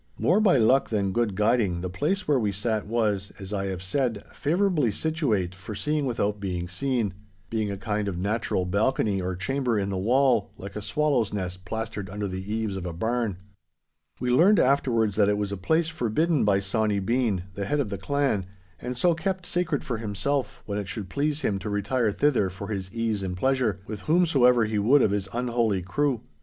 More by luck than good guiding, the place where we sat was, as I have said, favourably situate for seeing without being seen—being a kind of natural balcony or chamber in the wall, like a swallow's nest plastered under the eaves of a barn. We learned afterwards that it was a place forbidden by Sawny Bean, the head of the clan, and so kept sacred for himself when it should please him to retire thither for his ease and pleasure, with whomsoever he would of his unholy crew.